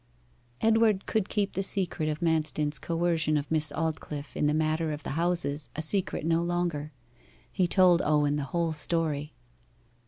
Edward could keep the secret of Manston's coercion of Miss Aldclyffe in the matter of the houses a secret no longer. He told Owen the whole story.